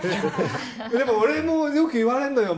でも俺もよく言われるのよ。